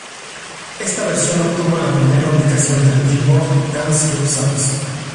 Esta versión obtuvo la primera ubicación del "Billboard" Dance Club Songs.